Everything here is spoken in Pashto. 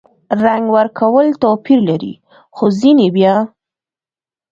رنګ ورکول توپیر لري – خو ځینې بیا